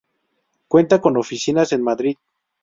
Cuenta con oficinas en Madrid.